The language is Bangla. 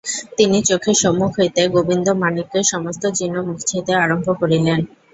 তিনি চোখের সম্মুখ হইতে গোবিন্দমাণিক্যের সমস্ত চিহ্ন মুছিতে আরম্ভ করিলেন।